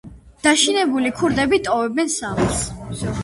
დაშინებული ქურდები ტოვებენ სახლს.